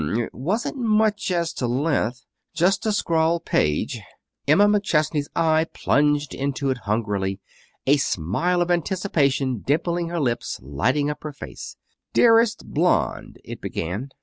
M m m it wasn't much as to length. Just a scrawled page. Emma McChesney's eye plunged into it hungrily, a smile of anticipation dimpling her lips, lighting up her face. "Dearest Blonde," it began.